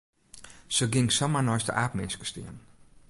Se gyng samar neist de aapminske stean.